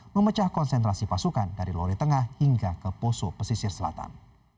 memecah konsentrasi pasukan dari lori tengah hingga ke poso pesisir selatan